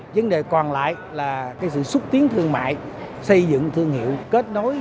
vấn đề còn lại là sự xúc tiến thương mại xây dựng thương hiệu kết nối